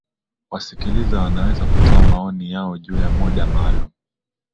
wasikilizaji wanaweza kutoa maoni yao juu ya mada maalum